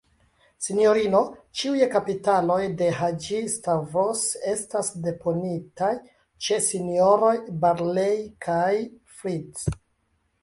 Sinjorino, ĉiuj kapitaloj de Haĝi-Stavros estas deponitaj ĉe S-roj Barlei kaj Fritt.